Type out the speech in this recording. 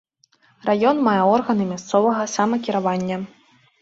Раён мае органы мясцовага самакіравання.